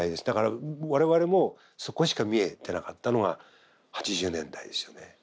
だから我々もそこしか見えてなかったのが８０年代でしたね。